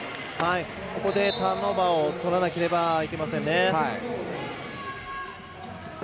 ここでターンオーバーをとらなければいけませんね。